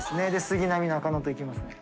杉並中野といきますね。